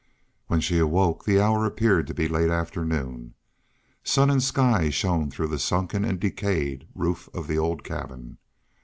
When she awoke the hour appeared to be late afternoon. Sun and sky shone through the sunken and decayed roof of the old cabin.